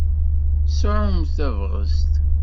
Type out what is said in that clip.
Sɛumt tabɣest!